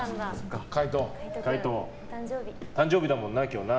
海仁、誕生日だもんな今日な。